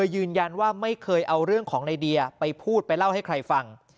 ยืนยันว่าไม่เคยเอาเรื่องของในเดียไปพูดไปเล่าให้ใครฟัง